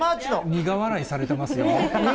苦笑いされてますよ。